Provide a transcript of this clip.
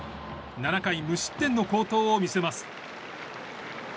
７回無失点の好投を見せます。